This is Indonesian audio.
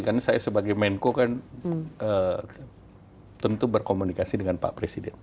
karena saya sebagai menko kan tentu berkomunikasi dengan pak presiden